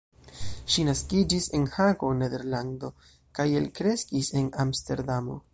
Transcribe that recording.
Ŝi naskiĝis en Hago, Nederlando kaj elkreskis en Amsterdamo.